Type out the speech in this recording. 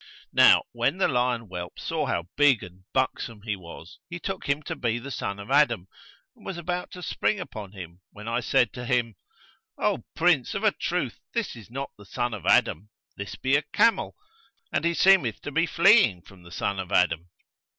Now when the lion whelp saw how big and buxom he was, he took him to be the son of Adam and was about to spring upon him when I said to him, 'O Prince, of a truth this is not the son of Adam, this be a camel, and he seemeth to fleeing from the son of Adam.'